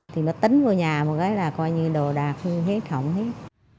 thì nó tấn vô nhà một cái là coi như đồ đạc như hết khổng hết